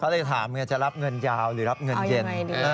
เลยถามอย่างเงินจะรับเงินยาวหรือเงินเย็น